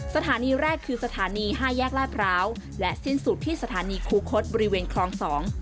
สถานีแรกคือสถานีห้าแยกลาดพร้าวและสิ้นสุดที่สถานีคูคศบริเวณคลองสอง